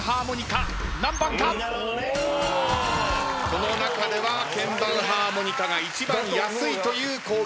この中では鍵盤ハーモニカが一番安いという光一さんの予想。